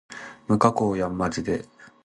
無加工やんまじで